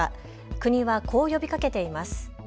国はこう呼びかけています。